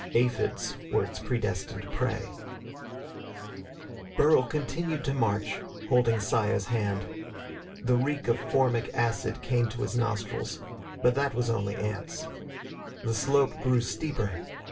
Aphids were its predestined prey. Burl continued to march, holding Saya's hand. The reek of formic acid came to his nostrils. But that was only ants. The slope grew steeper.